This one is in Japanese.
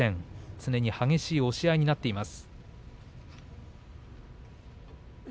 常に激しい押し合いになっています。